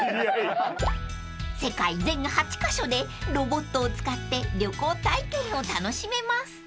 ［世界全８カ所でロボットを使って旅行体験を楽しめます］